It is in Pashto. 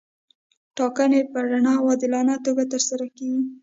ټاکنې په رڼه او عادلانه توګه ترسره کیږي.